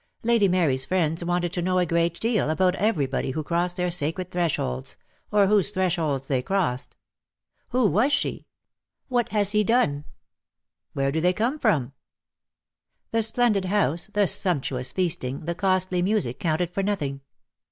Lady Mary's friends wanted to know a great deal about everybody who crossed their sacred thresholds, or whose thresholds they crossed. "Who was she?" "What has he done?" "Where do they come from?" The splendid house, the sumptuous feasting, the costly music counted for nothing.